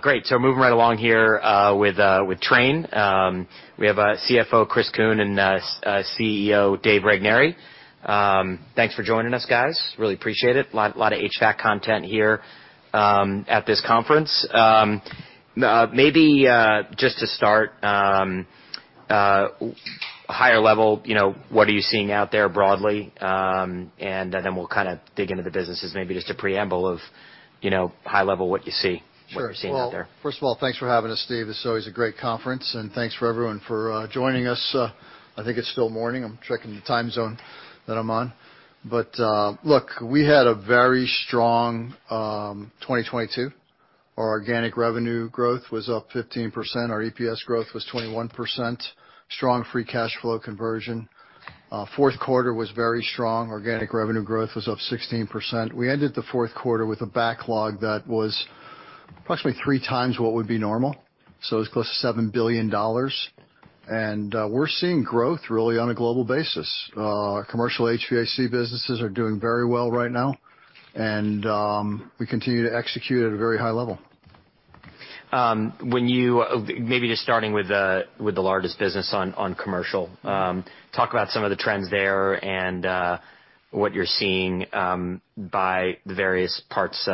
Great. Moving right along here with Trane. We have CFO Chris Kuehn and CEO Dave Regnery. Thanks for joining us, guys. Really appreciate it. A lot of HVAC content here at this conference. Maybe just to start, higher level, what are you seeing out there broadly? Then we'll kind of dig into the businesses, maybe just a preamble of high level what you see, what you're seeing out there. First of all, thanks for having us, Steve. It's always a great conference, and thanks for everyone for joining us. I think it's still morning. I'm checking the time zone that I'm on. Look, we had a very strong 2022. Our organic revenue growth was up 15%. Our EPS growth was 21%. Strong free cash flow conversion. Fourth quarter was very strong. Organic revenue growth was up 16%. We ended the fourth quarter with a backlog that was approximately 3x what would be normal. It was close to $7 billion. We're seeing growth really on a global basis. Commercial HVAC businesses are doing very well right now, and we continue to execute at a very high level. Maybe just starting with the largest business on commercial, talk about some of the trends there and what you're seeing by the various parts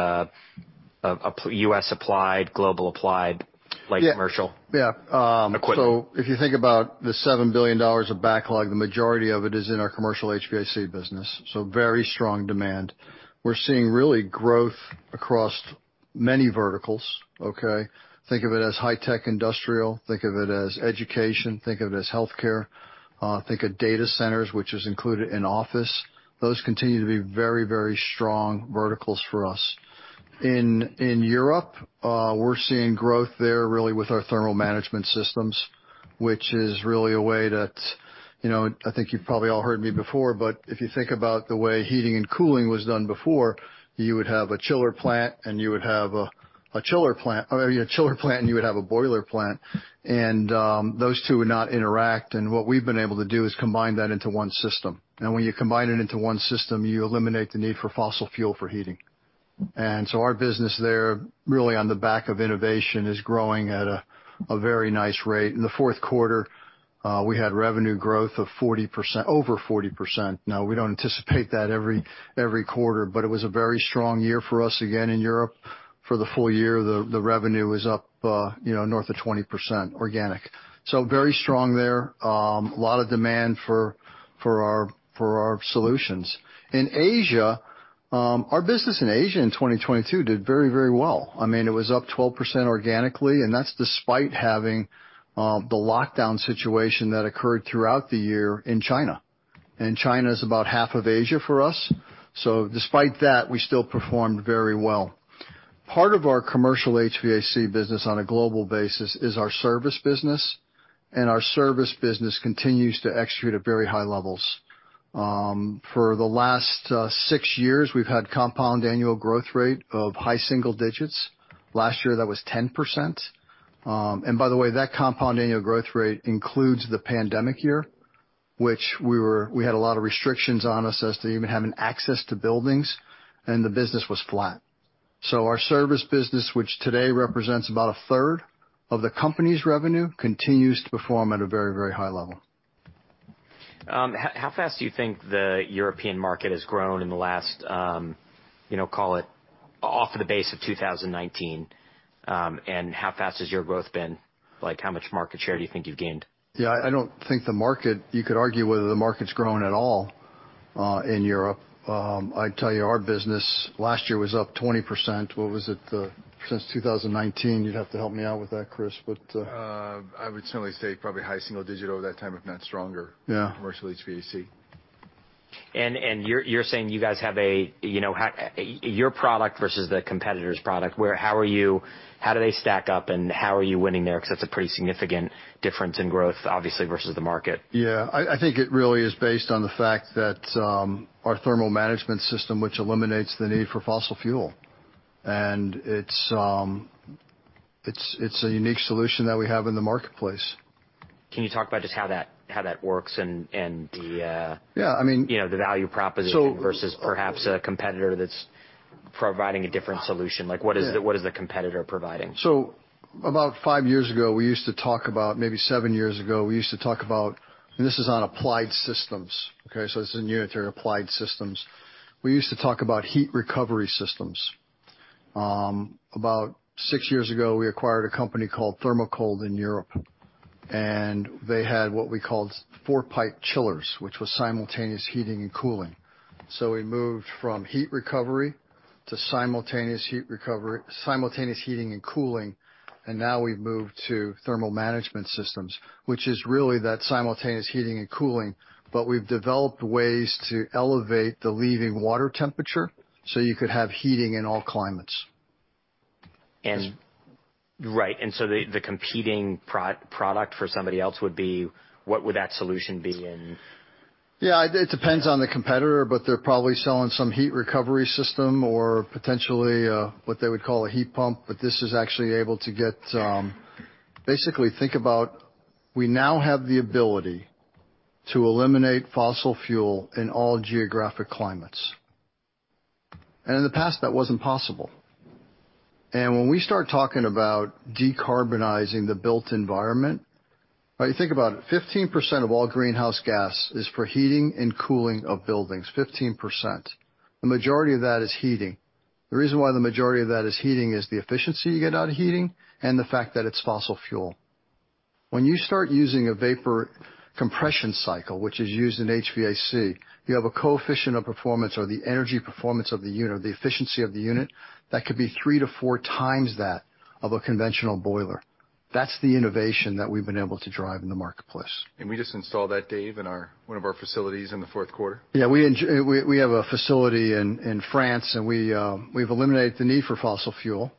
of U.S. applied, global applied, like commercial equipment. Yeah. If you think about the $7 billion of backlog, the majority of it is in our commercial HVAC business. Very strong demand. We're seeing really growth across many verticals. Think of it as high-tech industrial. Think of it as education. Think of it as healthcare. Think of data centers, which is included in office. Those continue to be very, very strong verticals for us. In Europe, we're seeing growth there really with our thermal management systems, which is really a way that I think you've probably all heard me before, but if you think about the way heating and cooling was done before, you would have a chiller plant, or a chiller plant, and you would have a boiler plant. Those two would not interact. What we've been able to do is combine that into one system. When you combine it into one system, you eliminate the need for fossil fuel for heating. Our business there, really on the back of innovation, is growing at a very nice rate. In the fourth quarter, we had revenue growth of over 40%. We do not anticipate that every quarter, but it was a very strong year for us again in Europe. For the full year, the revenue was up north of 20% organic. Very strong there. A lot of demand for our solutions. In Asia, our business in Asia in 2022 did very, very well. I mean, it was up 12% organically, and that is despite having the lockdown situation that occurred throughout the year in China. China is about half of Asia for us. Despite that, we still performed very well. Part of our commercial HVAC business on a global basis is our service business, and our service business continues to execute at very high levels. For the last six years, we've had compound annual growth rate of high-single-digits. Last year, that was 10%. By the way, that compound annual growth rate includes the pandemic year, which we had a lot of restrictions on us as to even having access to buildings, and the business was flat. Our service business, which today represents about a third of the company's revenue, continues to perform at a very, very high level. How fast do you think the European market has grown in the last, call it off the base of 2019? How fast has your growth been? How much market share do you think you've gained? Yeah. I do not think the market, you could argue whether the market's grown at all in Europe. I would tell you our business last year was up 20%. What was it since 2019? You would have to help me out with that, Chris, but. I would certainly say probably high single digit over that time, if not stronger, commercial HVAC. You're saying you guys have your product versus the competitor's product. How do they stack up, and how are you winning there? Because that's a pretty significant difference in growth, obviously, versus the market. Yeah. I think it really is based on the fact that our thermal management system, which eliminates the need for fossil fuel. It is a unique solution that we have in the marketplace. Can you talk about just how that works and the. Yeah. I mean. The value proposition versus perhaps a competitor that's providing a different solution? What is the competitor providing? About five years ago, we used to talk about, maybe seven years ago, we used to talk about, and this is on applied systems, okay? This is in unitary applied systems. We used to talk about heat recovery systems. About six years ago, we acquired a company called Thermocold in Europe, and they had what we called four-pipe chillers, which was simultaneous heating and cooling. We moved from heat recovery to simultaneous heating and cooling, and now we have moved to thermal management systems, which is really that simultaneous heating and cooling, but we have developed ways to elevate the leaving water temperature so you could have heating in all climates. Right. And the competing product for somebody else would be, what would that solution be? Yeah. It depends on the competitor, but they're probably selling some heat recovery system or potentially what they would call a heat pump, but this is actually able to get basically, think about, we now have the ability to eliminate fossil fuel in all geographic climates. In the past, that was not possible. When we start talking about decarbonizing the built environment, think about it. 15% of all greenhouse gas is for heating and cooling of buildings. 15%. The majority of that is heating. The reason why the majority of that is heating is the efficiency you get out of heating and the fact that it is fossil fuel. When you start using a vapor compression cycle, which is used in HVAC, you have a coefficient of performance or the energy performance of the unit, or the efficiency of the unit, that could be 3x-4x that of a conventional boiler. That's the innovation that we've been able to drive in the marketplace. We just installed that, Dave, in one of our facilities in the fourth quarter. Yeah. We have a facility in France, and we've eliminated the need for fossil fuel.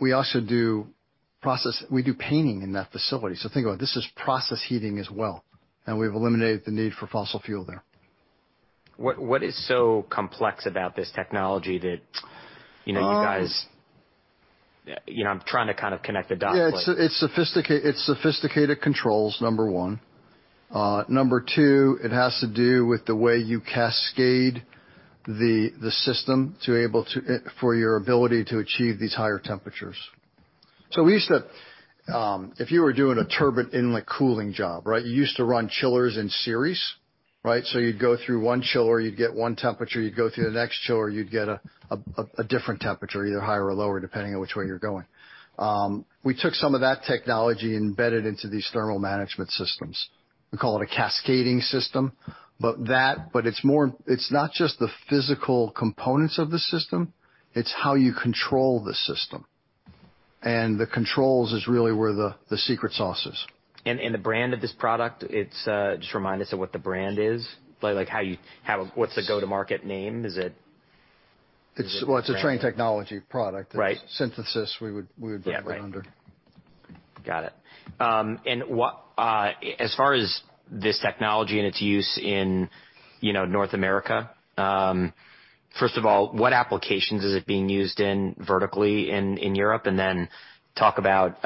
We also do process, we do painting in that facility. Think about it. This is process heating as well, and we've eliminated the need for fossil fuel there. What is so complex about this technology that you guys, I'm trying to kind of connect the dots with. Yeah. It's sophisticated controls, number one. Number two, it has to do with the way you cascade the system to be able to for your ability to achieve these higher temperatures. If you were doing a turbine inlet cooling job, right, you used to run chillers in series, right? You'd go through one chiller, you'd get one temperature, you'd go through the next chiller, you'd get a different temperature, either higher or lower, depending on which way you're going. We took some of that technology embedded into these thermal management systems. We call it a cascading system, but it's not just the physical components of the system. It's how you control the system. The controls is really where the secret sauce is. The brand of this product, just remind us of what the brand is, like what's the go-to-market name? Is it? It's a Trane Technologies product. It's Synthesis, we would put that under. Got it. As far as this technology and its use in North America, first of all, what applications is it being used in vertically in Europe? Then talk about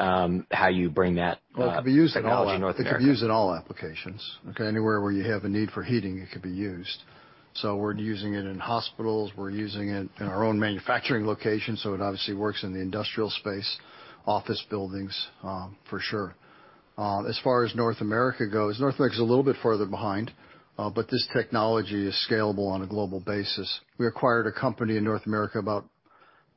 how you bring that technology in North America. It could be used in all. It could be used in all applications. Okay? Anywhere where you have a need for heating, it could be used. So we're using it in hospitals. We're using it in our own manufacturing location. It obviously works in the industrial space, office buildings, for sure. As far as North America goes, North America is a little bit further behind, but this technology is scalable on a global basis. We acquired a company in North America about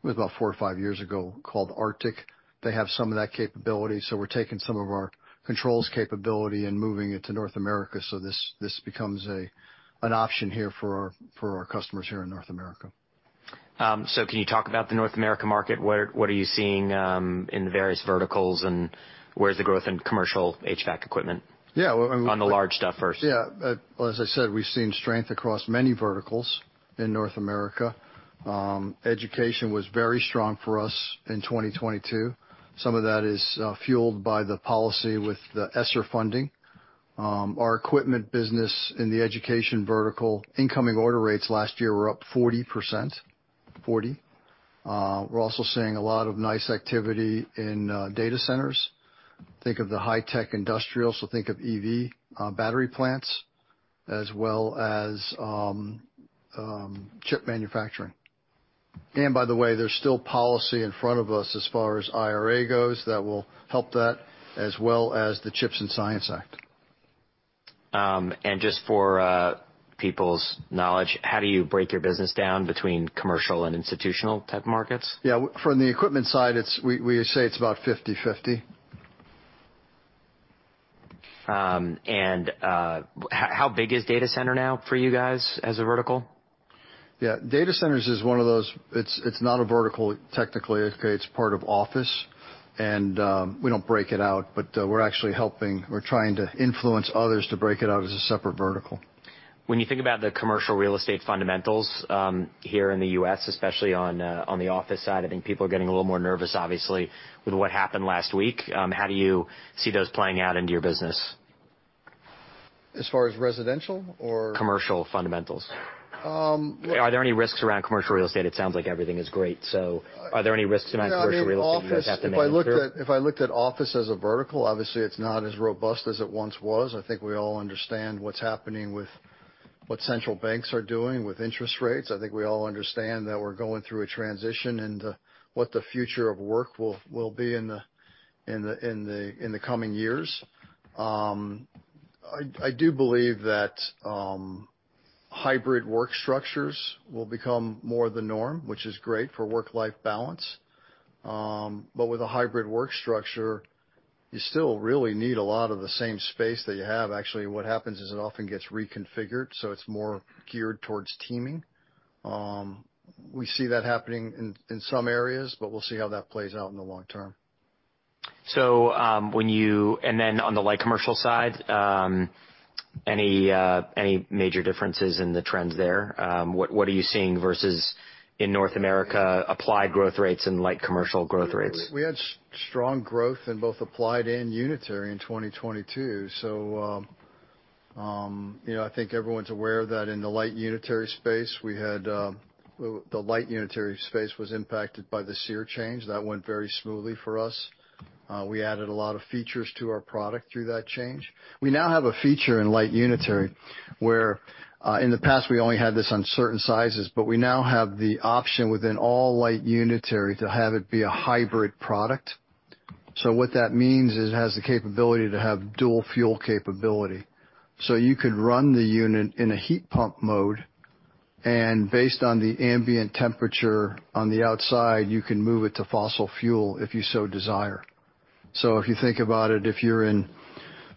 four or five years ago called Arctic. They have some of that capability. We're taking some of our controls capability and moving it to North America so this becomes an option here for our customers here in North America. Can you talk about the North America market? What are you seeing in the various verticals and where's the growth in commercial HVAC equipment? On the large stuff first. Yeah. As I said, we've seen strength across many verticals in North America. Education was very strong for us in 2022. Some of that is fueled by the policy with the ESSER funding. Our equipment business in the education vertical, incoming order rates last year were up 40%. We're also seeing a lot of nice activity in data centers. Think of the high-tech industrials. Think of EV battery plants as well as chip manufacturing. By the way, there's still policy in front of us as far as IRA goes that will help that, as well as the Chips and Science Act. Just for people's knowledge, how do you break your business down between commercial and institutional type markets? Yeah. From the equipment side, we say it's about 50/50. How big is data center now for you guys as a vertical? Yeah. Data centers is one of those, it's not a vertical technically. It's part of office. And we don't break it out, but we're actually helping. We're trying to influence others to break it out as a separate vertical. When you think about the commercial real estate fundamentals here in the U.S., especially on the office side, I think people are getting a little more nervous, obviously, with what happened last week. How do you see those playing out into your business? As far as residential or? Commercial fundamentals. Are there any risks around commercial real estate? It sounds like everything is great. Are there any risks around commercial real estate that you have to manage? If I looked at office as a vertical, obviously, it's not as robust as it once was. I think we all understand what's happening with what central banks are doing with interest rates. I think we all understand that we're going through a transition and what the future of work will be in the coming years. I do believe that hybrid work structures will become more the norm, which is great for work-life balance. With a hybrid work structure, you still really need a lot of the same space that you have. Actually, what happens is it often gets reconfigured, so it's more geared towards teaming. We see that happening in some areas, but we'll see how that plays out in the long term. On the light commercial side, any major differences in the trends there? What are you seeing versus in North America applied growth rates and light commercial growth rates? We had strong growth in both applied and unitary in 2022. I think everyone's aware that in the light unitary space, the light unitary space was impacted by the SEER change. That went very smoothly for us. We added a lot of features to our product through that change. We now have a feature in light unitary where in the past, we only had this on certain sizes, but we now have the option within all light unitary to have it be a hybrid product. What that means is it has the capability to have dual fuel capability. You could run the unit in a heat pump mode, and based on the ambient temperature on the outside, you can move it to fossil fuel if you so desire. If you think about it, if you're in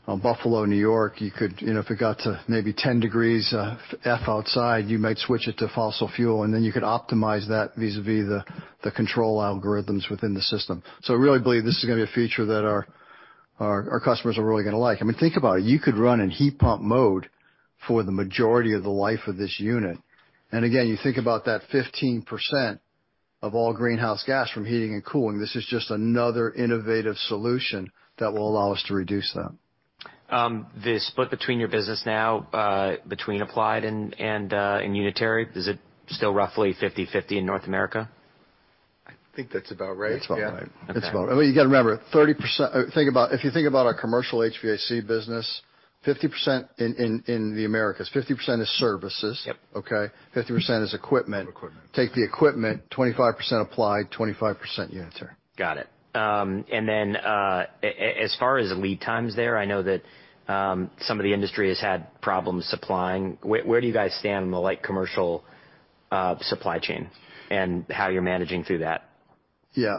Buffalo, New York, you could, if it got to maybe 10 degrees Fahrenheit outside, you might switch it to fossil fuel, and then you could optimize that vis-à-vis the control algorithms within the system. I really believe this is going to be a feature that our customers are really going to like. I mean, think about it. You could run in heat pump mode for the majority of the life of this unit. Again, you think about that 15% of all greenhouse gas from heating and cooling. This is just another innovative solution that will allow us to reduce that. The split between your business now, between applied and unitary, is it still roughly 50/50 in North America? I think that's about right. That's about right. I mean, you got to remember, 30% if you think about our commercial HVAC business, 50% in the Americas, 50% is services, okay? 50% is equipment. Take the equipment, 25% applied, 25% unitary. Got it. As far as lead times there, I know that some of the industry has had problems supplying. Where do you guys stand on the light commercial supply chain and how you're managing through that? Yeah.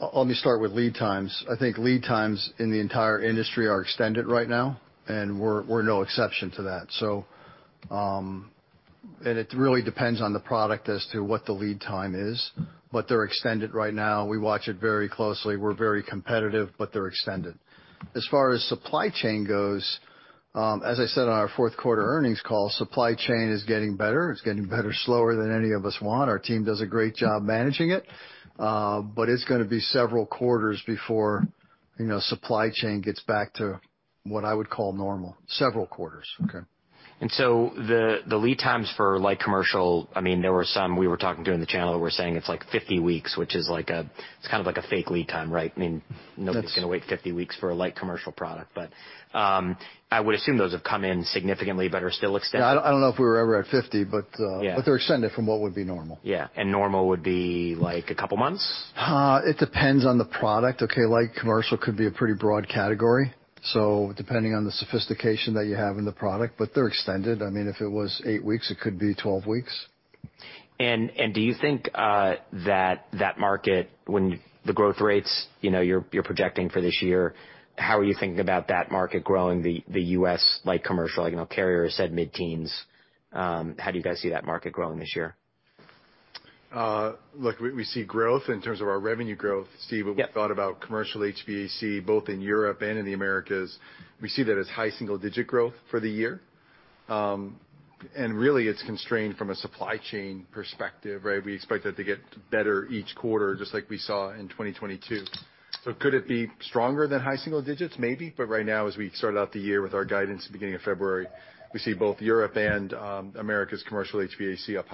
Let me start with lead times. I think lead times in the entire industry are extended right now, and we're no exception to that. It really depends on the product as to what the lead time is, but they're extended right now. We watch it very closely. We're very competitive, but they're extended. As far as supply chain goes, as I said on our fourth quarter earnings call, supply chain is getting better. It's getting better slower than any of us want. Our team does a great job managing it, but it's going to be several quarters before supply chain gets back to what I would call normal. Several quarters. Okay. The lead times for light commercial, I mean, there were some we were talking to in the channel that were saying it's like 50 weeks, which is like a, it's kind of like a fake lead time, right? I mean, nobody's going to wait 50 weeks for a light commercial product, but I would assume those have come in significantly, but are still extended? I don't know if we were ever at 50, but they're extended from what would be normal. Yeah. Normal would be like a couple of months? It depends on the product. Okay. Light commercial could be a pretty broad category. So depending on the sophistication that you have in the product, but they're extended. I mean, if it was 8 weeks, it could be 12 weeks. Do you think that that market, when the growth rates you're projecting for this year, how are you thinking about that market growing, the U.S. light commercial? I know Carrier said mid-teens. How do you guys see that market growing this year? Look, we see growth in terms of our revenue growth. Steve, what we thought about commercial HVAC, both in Europe and in the Americas, we see that as high single-digit growth for the year. It is really constrained from a supply chain perspective, right? We expect that to get better each quarter, just like we saw in 2022. Could it be stronger than high-single-digits? Maybe. Right now, as we started out the year with our guidance at the beginning of February, we see both Europe and Americas commercial HVAC up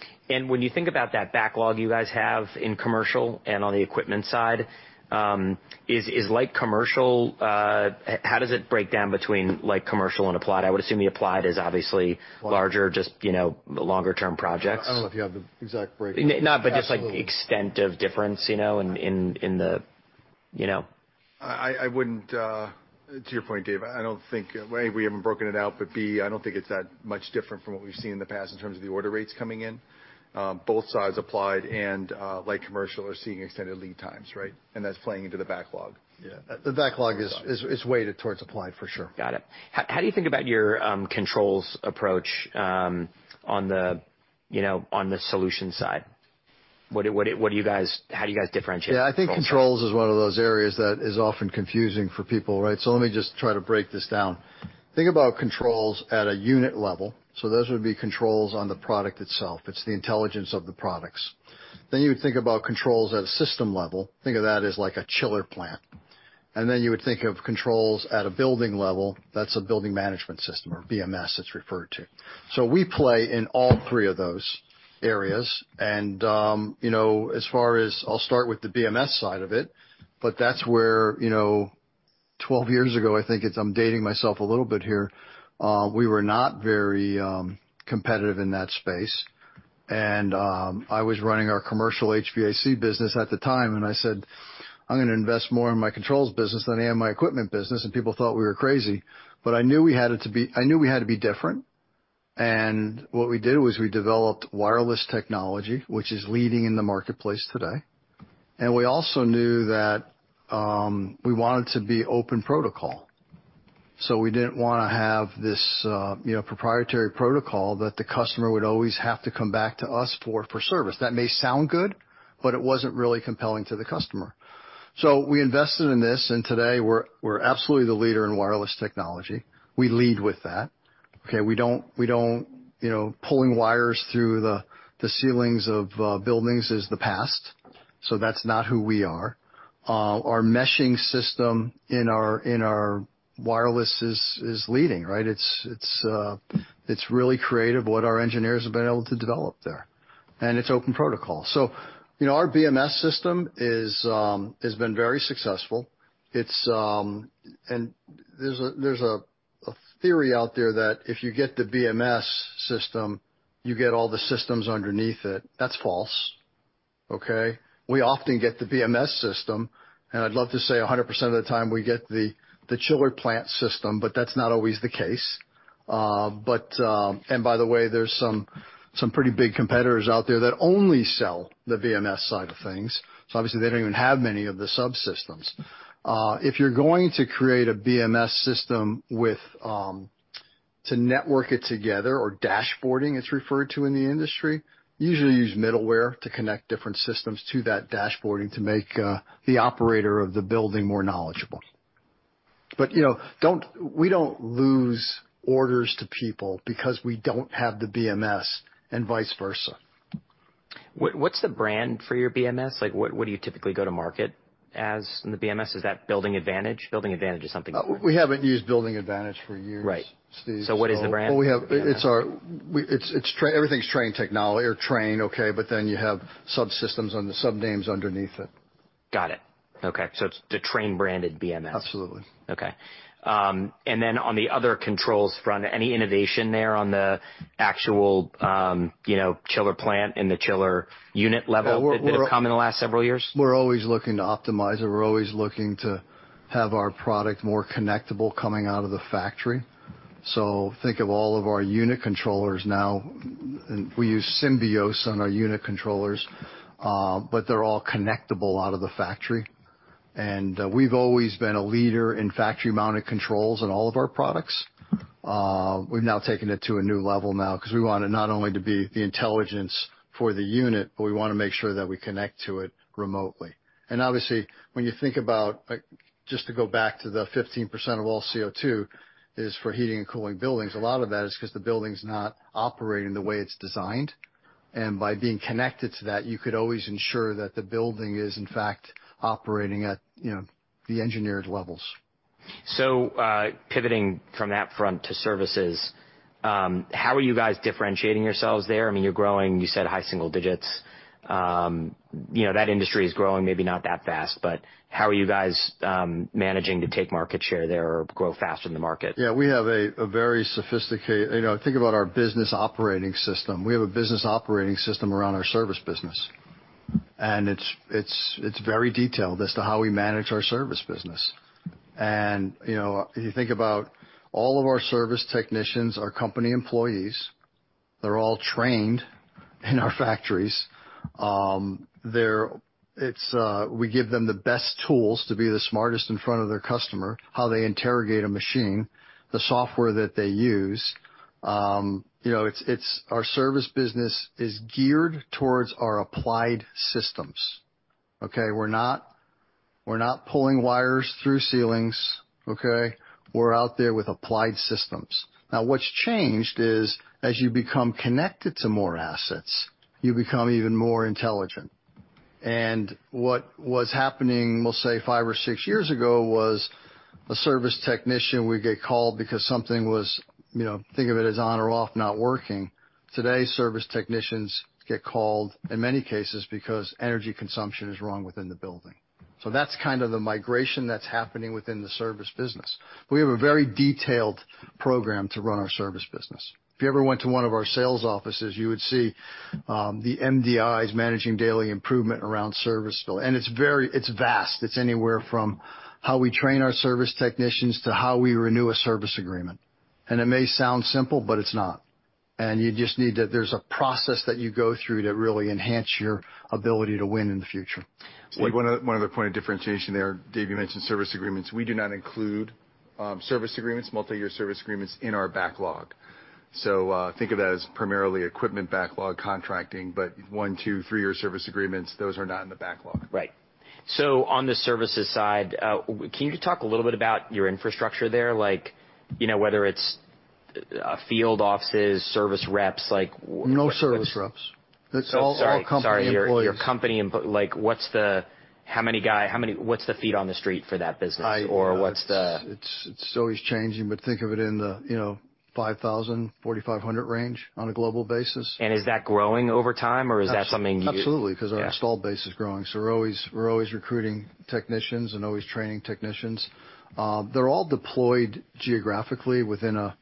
high-single-digits. When you think about that backlog you guys have in commercial and on the equipment side, is light commercial, how does it break down between light commercial and applied? I would assume the applied is obviously larger, just longer-term projects. I don't know if you have the exact breakdown. Not, but just like extent of difference in the. I would not, to your point, Dave, I do not think, A, we have not broken it out, but B, I do not think it is that much different from what we have seen in the past in terms of the order rates coming in. Both sides, applied and light commercial, are seeing extended lead times, right? That is playing into the backlog. Yeah. The backlog is weighted towards applied for sure. Got it. How do you think about your controls approach on the solution side? What do you guys, how do you guys differentiate? Yeah. I think controls is one of those areas that is often confusing for people, right? Let me just try to break this down. Think about controls at a unit level. Those would be controls on the product itself. It is the intelligence of the products. Then you would think about controls at a system level. Think of that as like a chiller plant. You would think of controls at a building level. That is a building management system or BMS it is referred to. We play in all three of those areas. As far as I will start with the BMS side of it, that is where 12 years ago, I think I am dating myself a little bit here. We were not very competitive in that space. I was running our commercial HVAC business at the time, and I said, "I'm going to invest more in my controls business than I am in my equipment business." People thought we were crazy. I knew we had to be different. What we did was we developed wireless technology, which is leading in the marketplace today. We also knew that we wanted to be open protocol. We did not want to have this proprietary protocol that the customer would always have to come back to us for service. That may sound good, but it was not really compelling to the customer. We invested in this, and today we are absolutely the leader in wireless technology. We lead with that. Pulling wires through the ceilings of buildings is the past. That is not who we are. Our meshing system in our wireless is leading, right? It's really creative what our engineers have been able to develop there. And it's open protocol. So our BMS system has been very successful. There's a theory out there that if you get the BMS system, you get all the systems underneath it. That's false. Okay? We often get the BMS system, and I'd love to say 100% of the time we get the chiller plant system, but that's not always the case. By the way, there's some pretty big competitors out there that only sell the BMS side of things. Obviously, they don't even have many of the subsystems. If you're going to create a BMS system to network it together or dashboarding, as it's referred to in the industry, you usually use middleware to connect different systems to that dashboarding to make the operator of the building more knowledgeable. We don't lose orders to people because we don't have the BMS and vice versa. What's the brand for your BMS? What do you typically go to market as in the BMS? Is that Building Advantage? Building Advantage is something different. We haven't used Building Advantage for years, Steve. Right. So what is the brand? It's everything's Trane Technologies or Trane, okay, but then you have subsystems and the subnames underneath it. Got it. Okay. So it's the Trane branded BMS. Absolutely. Okay. On the other controls front, any innovation there on the actual chiller plant and the chiller unit level that's come in the last several years? We're always looking to optimize it. We're always looking to have our product more connectable coming out of the factory. Think of all of our unit controllers now. We use Symbio on our unit controllers, but they're all connectable out of the factory. We've always been a leader in factory-mounted controls in all of our products. We've now taken it to a new level now because we want it not only to be the intelligence for the unit, but we want to make sure that we connect to it remotely. Obviously, when you think about just to go back to the 15% of all CO2 is for heating and cooling buildings, a lot of that is because the building's not operating the way it's designed. By being connected to that, you could always ensure that the building is, in fact, operating at the engineered levels. Pivoting from that front to services, how are you guys differentiating yourselves there? I mean, you're growing, you said, high-single-digits. That industry is growing maybe not that fast, but how are you guys managing to take market share there or grow faster than the market? Yeah. We have a very sophisticated think about our business operating system. We have a business operating system around our service business. It is very detailed as to how we manage our service business. If you think about all of our service technicians, our company employees, they are all trained in our factories. We give them the best tools to be the smartest in front of their customer, how they interrogate a machine, the software that they use. Our service business is geared towards our applied systems. Okay? We are not pulling wires through ceilings. Okay? We are out there with applied systems. Now, what has changed is as you become connected to more assets, you become even more intelligent. What was happening, we will say, five or six years ago was a service technician would get called because something was, think of it as, on or off, not working. Today, service technicians get called in many cases because energy consumption is wrong within the building. That is kind of the migration that is happening within the service business. We have a very detailed program to run our service business. If you ever went to one of our sales offices, you would see the MDIs managing daily improvement around service. It is vast. It is anywhere from how we train our service technicians to how we renew a service agreement. It may sound simple, but it is not. You just need to, there is a process that you go through to really enhance your ability to win in the future. One other point of differentiation there, Dave, you mentioned service agreements. We do not include service agreements, multi-year service agreements in our backlog. Think of that as primarily equipment backlog contracting, but one, two, three-year service agreements, those are not in the backlog. Right. On the services side, can you talk a little bit about your infrastructure there, like whether it's field offices, service reps? No service reps. It's all company employees. Sorry. Your company employees, what's the feet on the street for that business? Or what's the? It's always changing, but think of it in the 5,000-4,500 range on a global basis. Is that growing over time, or is that something you? Absolutely. Because our installed base is growing. We're always recruiting technicians and always training technicians. They're all deployed geographically within a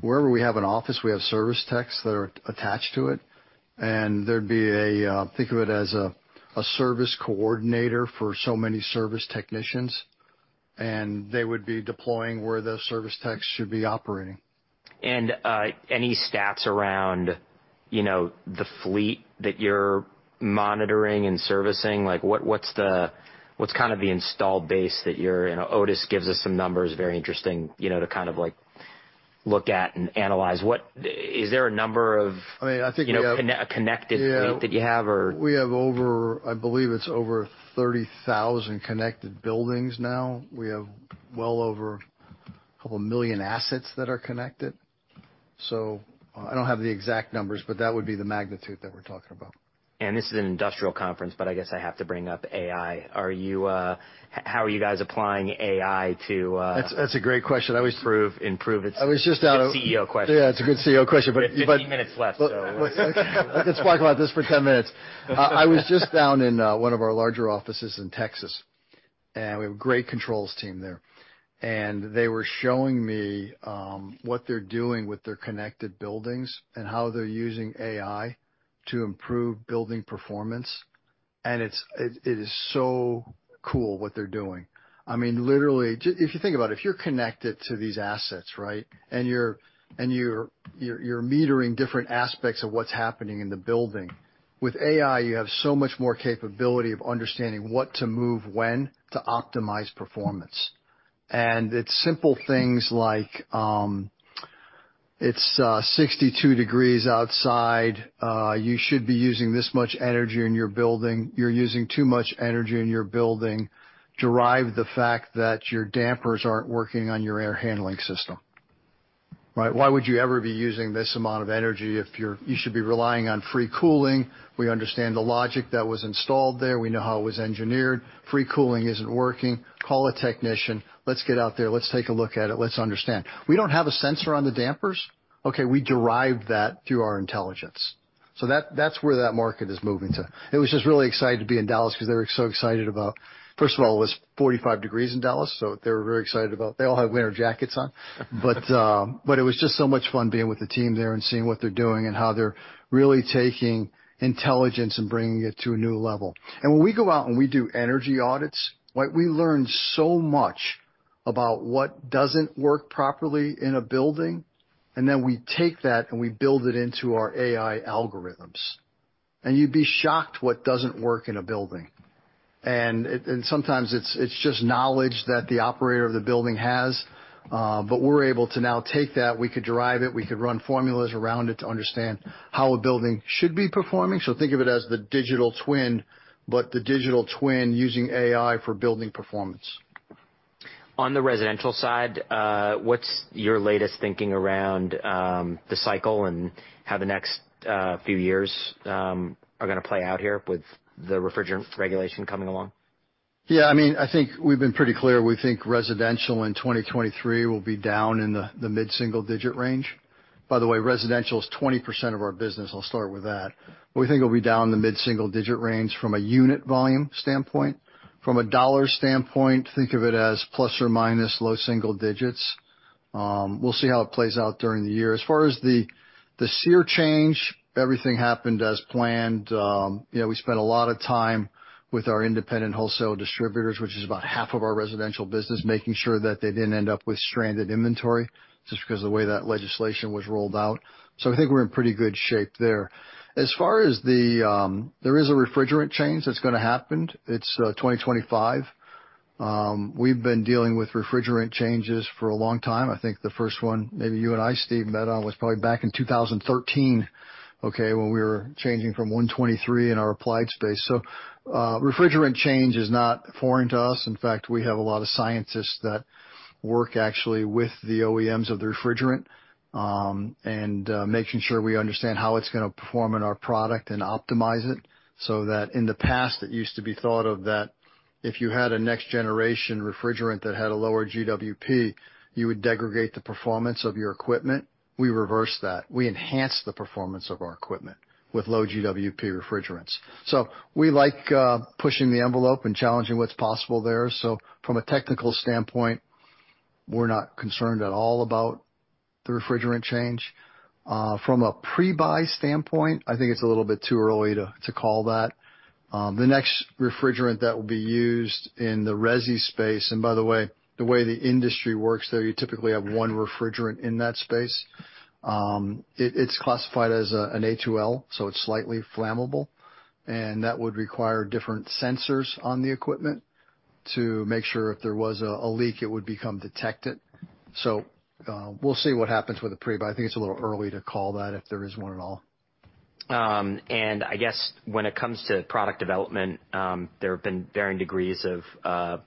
wherever we have an office, we have service techs that are attached to it. There would be a, think of it as a service coordinator for so many service technicians. They would be deploying where the service techs should be operating. Any stats around the fleet that you're monitoring and servicing? What's kind of the installed base that you're—Otis gives us some numbers, very interesting to kind of look at and analyze. Is there a number of? I mean, I think we have. Connected fleet that you have or? We have over, I believe it's over 30,000 connected buildings now. We have well over a couple of million assets that are connected. I don't have the exact numbers, but that would be the magnitude that we're talking about. This is an industrial conference, but I guess I have to bring up AI. How are you guys applying AI to? That's a great question. Improve its? I was just out of. Good CEO question. Yeah. It's a good CEO question, but. Fifteen minutes left, so. Let's talk about this for 10 minutes. I was just down in one of our larger offices in Texas, and we have a great controls team there. They were showing me what they're doing with their connected buildings and how they're using AI to improve building performance. It is so cool what they're doing. I mean, literally, if you think about it, if you're connected to these assets, right, and you're metering different aspects of what's happening in the building, with AI, you have so much more capability of understanding what to move when to optimize performance. It's simple things like it's 62 degrees outside. You should be using this much energy in your building. You're using too much energy in your building. Derive the fact that your dampers aren't working on your air handling system. Right? Why would you ever be using this amount of energy if you should be relying on free cooling? We understand the logic that was installed there. We know how it was engineered. Free cooling isn't working. Call a technician. Let's get out there. Let's take a look at it. Let's understand. We don't have a sensor on the dampers. Okay? We derived that through our intelligence. So that's where that market is moving to. It was just really exciting to be in Dallas because they were so excited about first of all, it was 45 degrees in Dallas, so they were very excited about they all have winter jackets on. It was just so much fun being with the team there and seeing what they're doing and how they're really taking intelligence and bringing it to a new level. When we go out and we do energy audits, we learn so much about what does not work properly in a building, and then we take that and we build it into our AI algorithms. You would be shocked what does not work in a building. Sometimes it is just knowledge that the operator of the building has. We are able to now take that. We could derive it. We could run formulas around it to understand how a building should be performing. Think of it as the digital twin, but the digital twin using AI for building performance. On the residential side, what's your latest thinking around the cycle and how the next few years are going to play out here with the refrigerant regulation coming along? Yeah. I mean, I think we've been pretty clear. We think residential in 2023 will be down in the mid-single digit range. By the way, residential is 20% of our business. I'll start with that. We think it'll be down in the mid-single digit range from a unit volume standpoint. From a dollar standpoint, think of it as plus or minus low-single-digits. We'll see how it plays out during the year. As far as the SEER change, everything happened as planned. We spent a lot of time with our independent wholesale distributors, which is about half of our residential business, making sure that they did not end up with stranded inventory just because of the way that legislation was rolled out. I think we're in pretty good shape there. As far as the there is a refrigerant change that's going to happen. It's 2025. We've been dealing with refrigerant changes for a long time. I think the first one, maybe you and I, Steve, met on was probably back in 2013, okay, when we were changing from 123 in our applied space. Refrigerant change is not foreign to us. In fact, we have a lot of scientists that work actually with the OEMs of the refrigerant and making sure we understand how it's going to perform in our product and optimize it so that in the past, it used to be thought of that if you had a next-generation refrigerant that had a lower GWP, you would degradate the performance of your equipment. We reversed that. We enhanced the performance of our equipment with low GWP refrigerants. We like pushing the envelope and challenging what's possible there. From a technical standpoint, we're not concerned at all about the refrigerant change. From a pre-buy standpoint, I think it's a little bit too early to call that. The next refrigerant that will be used in the resi space, and by the way, the way the industry works there, you typically have one refrigerant in that space. It's classified as an A2L, so it's slightly flammable. That would require different sensors on the equipment to make sure if there was a leak, it would become detected. We'll see what happens with the pre-buy. I think it's a little early to call that if there is one at all. I guess when it comes to product development, there have been varying degrees of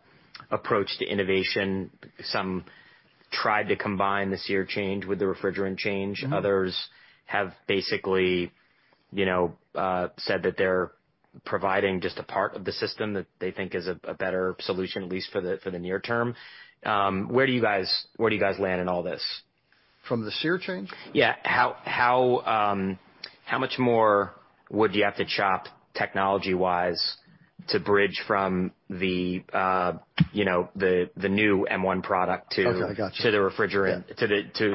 approach to innovation. Some tried to combine the SEER change with the refrigerant change. Others have basically said that they're providing just a part of the system that they think is a better solution, at least for the near term. Where do you guys land in all this? From the SEER change? Yeah. How much more would you have to chop technology-wise to bridge from the new M1 product to the refrigerant,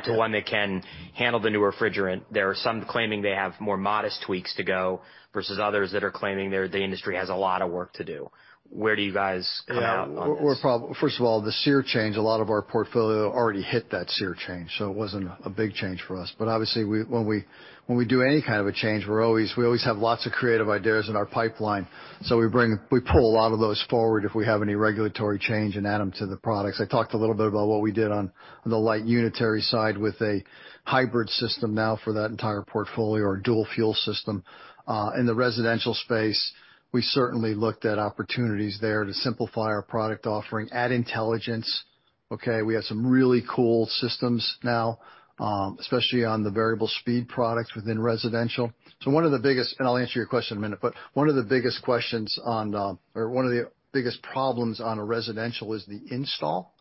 to one that can handle the new refrigerant? There are some claiming they have more modest tweaks to go versus others that are claiming the industry has a lot of work to do. Where do you guys come out on this? First of all, the SEER change, a lot of our portfolio already hit that SEER change. It was not a big change for us. Obviously, when we do any kind of a change, we always have lots of creative ideas in our pipeline. We pull a lot of those forward if we have any regulatory change and add them to the products. I talked a little bit about what we did on the light unitary side with a hybrid system now for that entire portfolio or dual fuel system. In the residential space, we certainly looked at opportunities there to simplify our product offering at intelligence. Okay? We have some really cool systems now, especially on the variable speed products within residential. One of the biggest, and I'll answer your question in a minute, but one of the biggest questions or one of the biggest problems on a residential is the install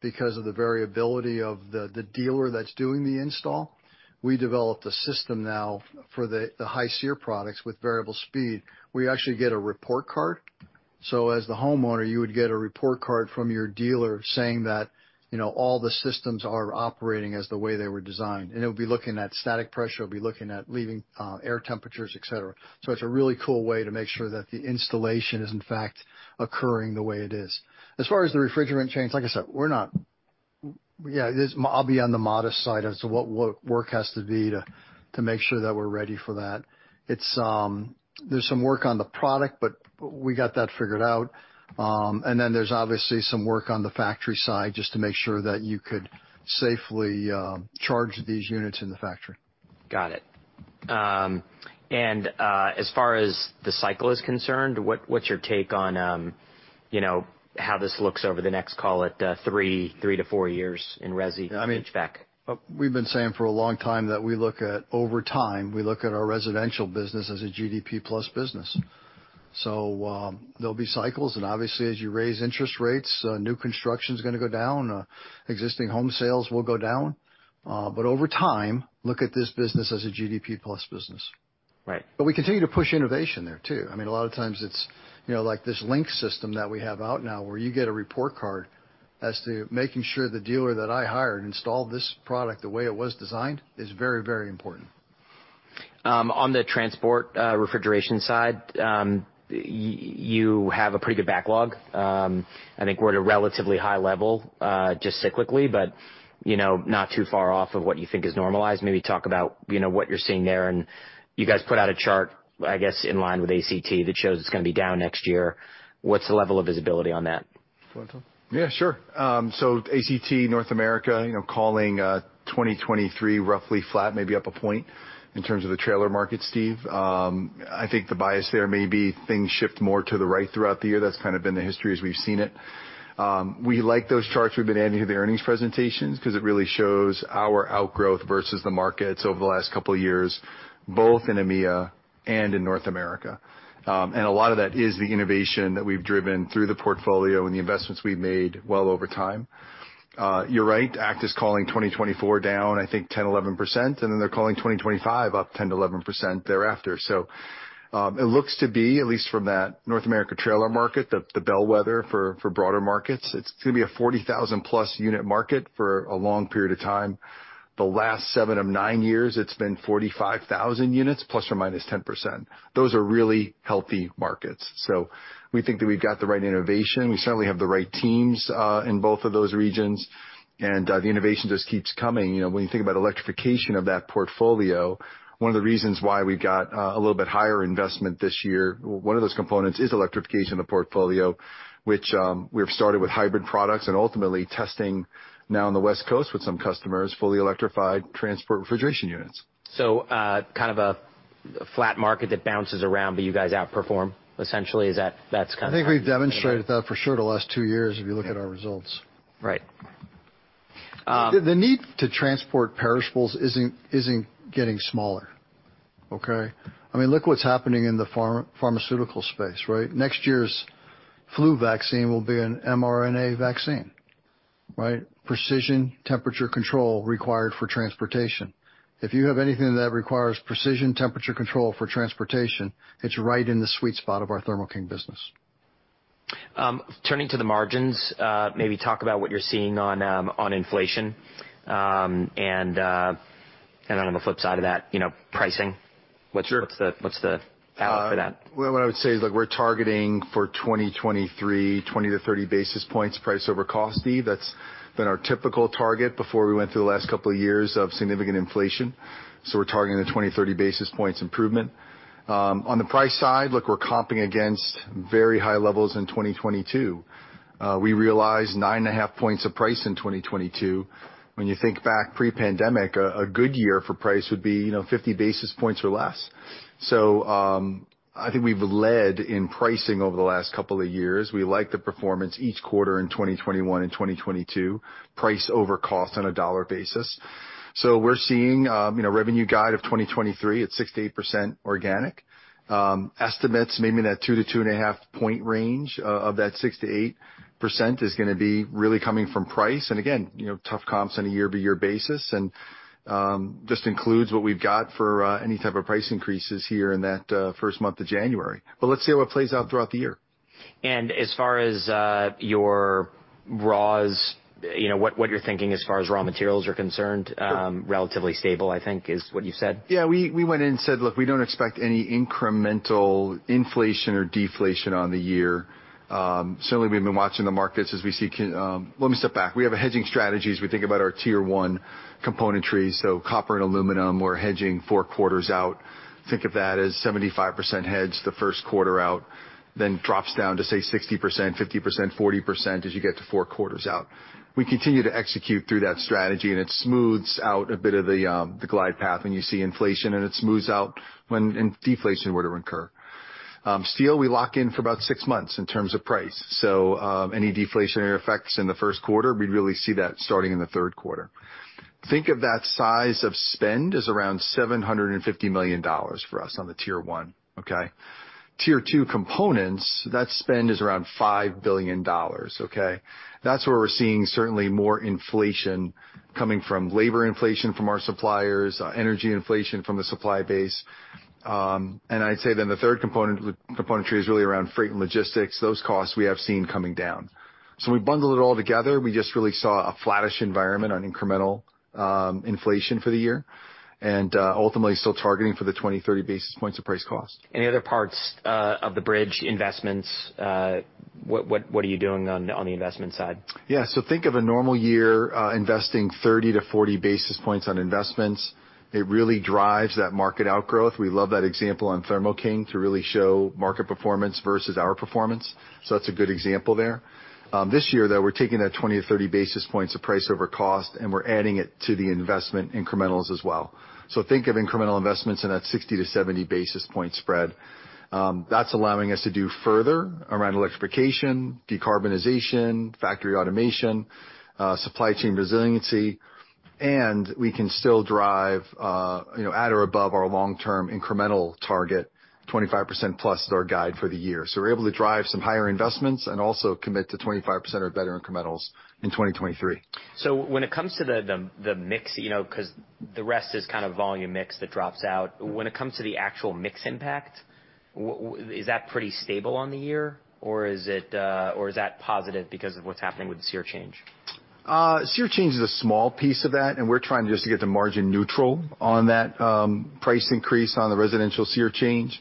because of the variability of the dealer that's doing the install. We developed a system now for the high-SEER products with variable speed. We actually get a report card. As the homeowner, you would get a report card from your dealer saying that all the systems are operating as the way they were designed. It would be looking at static pressure, it would be looking at leaving air temperatures, etc. It's a really cool way to make sure that the installation is, in fact, occurring the way it is. As far as the refrigerant change, like I said, we're not, yeah, I'll be on the modest side as to what work has to be to make sure that we're ready for that. There's some work on the product, but we got that figured out. Then there's obviously some work on the factory side just to make sure that you could safely charge these units in the factory. Got it. As far as the cycle is concerned, what's your take on how this looks over the next, call it, three to four years in resi? I mean, we've been saying for a long time that we look at, over time, we look at our residential business as a GDP-plus business. There'll be cycles. Obviously, as you raise interest rates, new construction is going to go down. Existing home sales will go down. Over time, look at this business as a GDP-plus business. We continue to push innovation there too. I mean, a lot of times it's like this Link System that we have out now where you get a report card as to making sure the dealer that I hired installed this product the way it was designed is very, very important. On the transport refrigeration side, you have a pretty good backlog. I think we're at a relatively high level just cyclically, but not too far off of what you think is normalized. Maybe talk about what you're seeing there. You guys put out a chart, I guess, in line with ACT that shows it's going to be down next year. What's the level of visibility on that? Yeah, sure. ACT, North America, calling 2023 roughly flat, maybe up a point in terms of the trailer market, Steve. I think the bias there may be things shift more to the right throughout the year. That has kind of been the history as we have seen it. We like those charts we have been adding to the earnings presentations because it really shows our outgrowth versus the markets over the last couple of years, both in EMEA and in North America. A lot of that is the innovation that we have driven through the portfolio and the investments we have made well over time. You are right, ACT is calling 2024 down, I think, 10%-11%. Then they are calling 2025 up 10%-11% thereafter. It looks to be, at least from that North America trailer market, the bellwether for broader markets, it's going to be a 40,000+ unit market for a long period of time. The last seven of nine years, it's been 45,000 units, ±10%. Those are really healthy markets. We think that we've got the right innovation. We certainly have the right teams in both of those regions. The innovation just keeps coming. When you think about electrification of that portfolio, one of the reasons why we've got a little bit higher investment this year, one of those components is electrification of the portfolio, which we've started with hybrid products and ultimately testing now on the West Coast with some customers, fully electrified transport refrigeration units. Kind of a flat market that bounces around, but you guys outperform, essentially. Is that kind of? I think we've demonstrated that for sure the last two years if you look at our results. Right. The need to transport perishables isn't getting smaller. Okay? I mean, look what's happening in the pharmaceutical space, right? Next year's flu vaccine will be an mRNA vaccine, right? Precision temperature control required for transportation. If you have anything that requires precision temperature control for transportation, it's right in the sweet spot of our Thermo King business. Turning to the margins, maybe talk about what you're seeing on inflation and on the flip side of that, pricing. What's the outlook for that? What I would say is we're targeting for 2023, 20-30 basis points price over cost, Steve. That's been our typical target before we went through the last couple of years of significant inflation. We're targeting the 20-30 basis points improvement. On the price side, look, we're comping against very high levels in 2022. We realized 9.5 points of price in 2022. When you think back pre-pandemic, a good year for price would be 50 basis points or less. I think we've led in pricing over the last couple of years. We like the performance each quarter in 2021 and 2022, price over cost on a dollar basis. We're seeing revenue guide of 2023 at 6%-8% organic. Estimates maybe in that 2-2.5 point range of that 6%-8% is going to be really coming from price. Again, tough comps on a year-to-year basis and just includes what we've got for any type of price increases here in that first month of January. Let's see how it plays out throughout the year. As far as your raws, what you're thinking as far as raw materials are concerned, relatively stable, I think, is what you said. Yeah. We went in and said, "Look, we do not expect any incremental inflation or deflation on the year." Certainly, we have been watching the markets as we see—let me step back. We have hedging strategies. We think about our Tier 1 componentry. So copper and aluminum, we are hedging four quarters out. Think of that as 75% hedge the first quarter out, then drops down to say 60%, 50%, 40% as you get to four quarters out. We continue to execute through that strategy, and it smooths out a bit of the glide path when you see inflation, and it smooths out when deflation were to incur. Steel, we lock in for about six months in terms of price. So any deflationary effects in the first quarter, we really see that starting in the third quarter. Think of that size of spend as around $750 million for us on the Tier 1. Okay? Tier 2 components, that spend is around $5 billion. Okay? That is where we are seeing certainly more inflation coming from labor inflation from our suppliers, energy inflation from the supply base. I would say then the third componentry is really around freight and logistics. Those costs we have seen coming down. When we bundled it all together, we just really saw a flattish environment on incremental inflation for the year and ultimately still targeting for the 20-30 basis points of price cost. Any other parts of the bridge investments? What are you doing on the investment side? Yeah. So think of a normal year investing 30-40 basis points on investments. It really drives that market outgrowth. We love that example on Thermo King to really show market performance versus our performance. That's a good example there. This year, though, we're taking that 20-30 basis points of price over cost, and we're adding it to the investment incrementals as well. So think of incremental investments in that 60-70 basis point spread. That's allowing us to do further around electrification, decarbonization, factory automation, supply chain resiliency. We can still drive at or above our long-term incremental target, 25%+ is our guide for the year. We're able to drive some higher investments and also commit to 25% or better incrementals in 2023. When it comes to the mix, because the rest is kind of volume mix that drops out, when it comes to the actual mix impact, is that pretty stable on the year, or is that positive because of what's happening with the SEER change? SEER change is a small piece of that, and we're trying just to get the margin neutral on that price increase on the residential SEER change.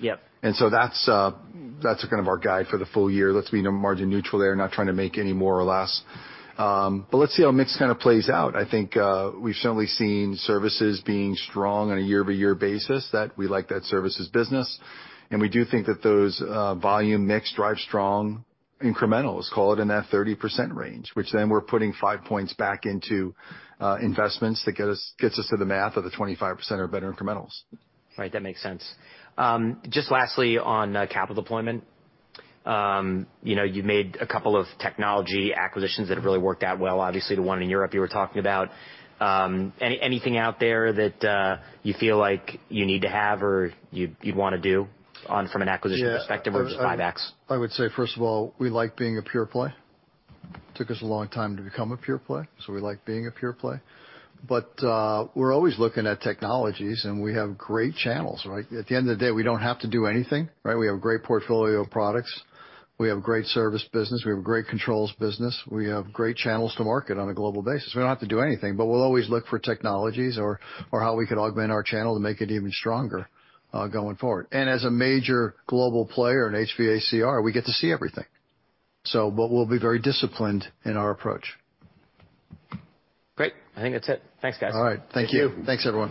That's kind of our guide for the full year. Let's be margin neutral there, not trying to make any more or less. Let's see how mix kind of plays out. I think we've certainly seen services being strong on a year-to-year basis. We like that services business. We do think that those volume mix drive strong incrementals, call it in that 30% range, which then we're putting five points back into investments. That gets us to the math of the 25% or better incrementals. Right. That makes sense. Just lastly on capital deployment, you've made a couple of technology acquisitions that have really worked out well, obviously, the one in Europe you were talking about. Anything out there that you feel like you need to have or you'd want to do from an acquisition perspective or just buybacks? I would say, first of all, we like being a pure play. It took us a long time to become a pure play. So we like being a pure play. But we're always looking at technologies, and we have great channels, right? At the end of the day, we don't have to do anything, right? We have a great portfolio of products. We have a great service business. We have a great controls business. We have great channels to market on a global basis. We don't have to do anything, but we'll always look for technologies or how we could augment our channel to make it even stronger going forward. And as a major global player in HVACR, we get to see everything. So we'll be very disciplined in our approach. Great. I think that's it. Thanks, guys. All right. Thank you. Thank you. Thanks, everyone.